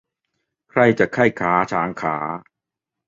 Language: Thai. ใครจักใคร่ค้าช้างค้า